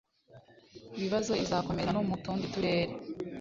bibazo izakomereza no mu tundi Turere